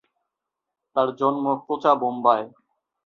তার জন্ম কোচাবম্বায়।